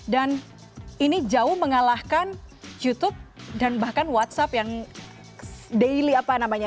dan ini jauh mengalahkan youtube dan bahkan whatsapp yang daily apa namanya